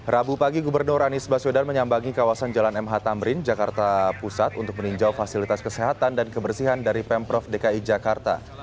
rabu pagi gubernur anies baswedan menyambangi kawasan jalan mh tamrin jakarta pusat untuk meninjau fasilitas kesehatan dan kebersihan dari pemprov dki jakarta